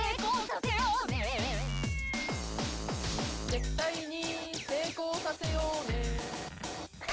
「絶対に成功させようね」